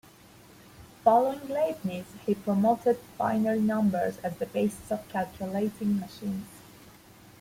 Following Leibniz, he promoted binary numbers as the basis of calculating machines.